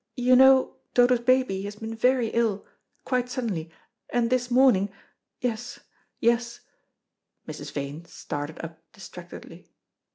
You know Dodo's baby has been very ill, quite suddenly, and this morning yes, yes " Mrs. Vane started up distractedly.